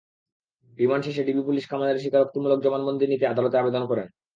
Remand শেষে DB police কামালের স্বীকারোক্তিমূলক জবানবন্দি নিতে আদালতে আবেদন করেন।